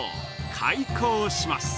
開校します！